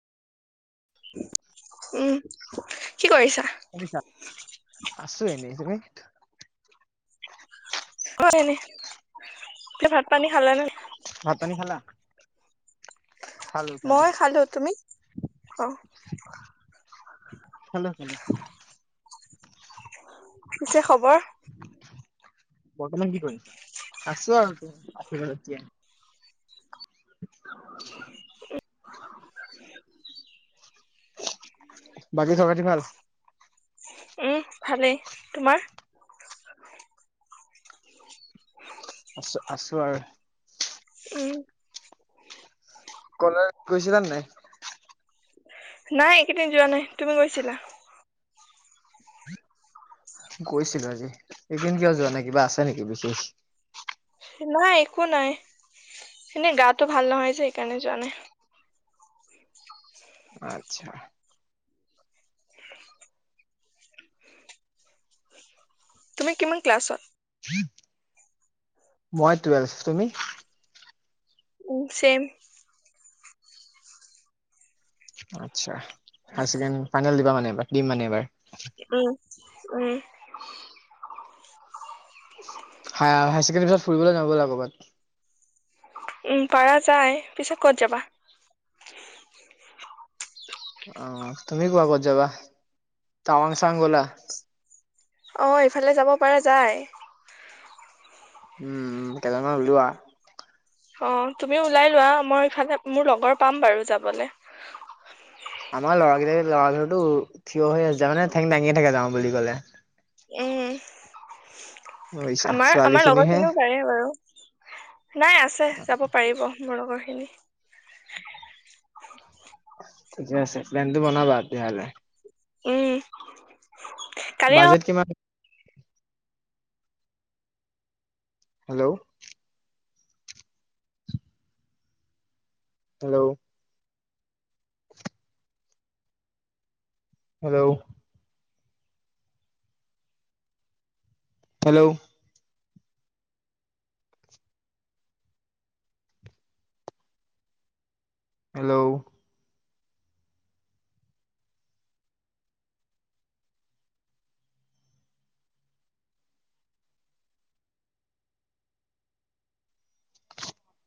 উম, কি কৰিছা? শুনিছা? আছো এনেই, তুমি? অই এনে তুমি ভাত পানী খালে নে? ভাত পানী খালা? মই খালো, তুমি অ'। খালো। পিছে খবৰ? বৰ্তমান কি কৰিছ, আছো আৰু [unintelligible] [unintelligible] বাকী খবৰ খাতি ভাল। উম ভালেই, তোমাৰ? আছো আছো আৰু। উম'। কলেজ গৈছিলা নাই। নাই এইকেইদিন যোৱা নাই। তুমি গৈছিলা? গৈছিলো আজি এদিন কিয় যোৱা নাই কিবা আছে নেকি বিশেষ। নাই একো নাই এনেই গাটো ভাল নহয় যে সেইকাৰণে যোৱা নাই। আচ্ছা। তুমি কিমান ক্লাছত। মই টুৱেল্ভ তুমি? উম চেম। আচ্ছা, হায়াৰ চেকেন। ফাইনেল দিবা মানে এইবাৰ দিম মানে এবাৰ উম, [inaudible] হাই হাই চেকেণ্ডৰী পিছত ফুৰিবলে যাওঁ বলা কবাত। উম পাৰা যায় পিছে ক'ত যাবা? অ তুমি কোৱা ক'ত যাবা তাৱাং চাৱাং গলা? অ ইফালে যাব পাৰা যায়। উম উম কেজনমান উলোৱা। অ তুমি ওলাই লোৱা মই ইফালে মোৰ লগৰ পাম বাৰু যাবলে। আমাৰ ল'ৰাগিতাই ল'ৰাধুৰটো ঠিয় হৈ আছে জামানে ঠেং দাঙিয়ে থাকে যাওঁ বুলি ক'লে। এ। বুজিছা আমাৰ ছোৱালী আমাৰ খিনিহে লগৰখিনিও পাৰে বাৰু নাই আছে যাব পাৰিব মোৰ লগৰ। উম। ঠিকে আছে প্লেনটো বনাবা তেতিয়া হ'লে। উম। কালি নহ বাজেট কিমান? Hello hello hello hello hello